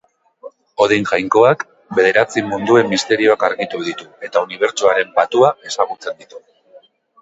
Odin jainkoak bederatzi munduen misterioak argitu ditu eta unibertsoaren patua ezagutzen ditu.